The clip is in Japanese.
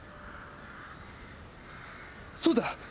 そうだ！？